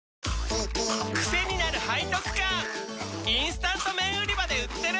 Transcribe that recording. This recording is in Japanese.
チキンかじり虫インスタント麺売り場で売ってる！